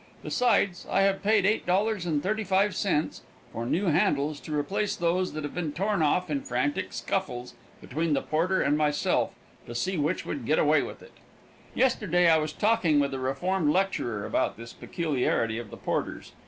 Besides, I have paid $8.35 for new handles to replace those that have been torn off in frantic scuffles between the porter and myself to see which would get away with it. Yesterday I was talking with a reformed lecturer about this peculiarity of the porters.